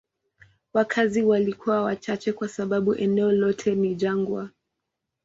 Wakazi walikuwa wachache kwa sababu eneo lote ni jangwa.